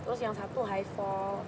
terus yang satu high fall